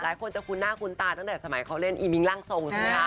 หลายคนจะคุณหน้าคุณตาตั้งแต่สมัยเขาเล่นอีมิงรั่งโซงซึ่งว่ะ